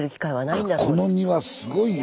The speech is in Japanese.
この庭すごいよ。